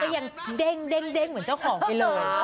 ยังเด้งเหมือนเจ้าของไปเลย